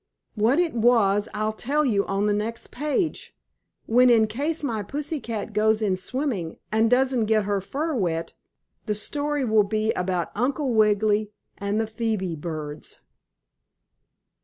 What it was I'll tell you on the next page, when, in case my pussy cat goes in swimming and doesn't get her fur wet, the story will be about Uncle Wiggily and the Phoebe birds.